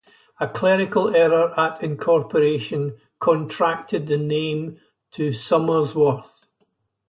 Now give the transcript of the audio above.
A clerical error at incorporation contracted the name to "Somersworth".